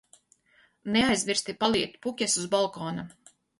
Neaizmirsi paliet puķes uz balkona!